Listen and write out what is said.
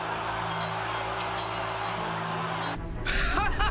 ハハハ！